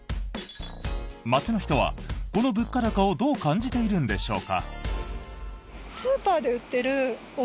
街の人は、この物価高をどう感じているんでしょうか？